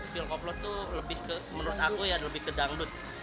feel copload itu lebih ke menurut aku ya lebih ke dangdut